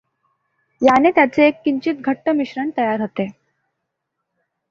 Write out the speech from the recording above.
याने त्याचे एक किंचित घट्ट मिश्रण तयार होते.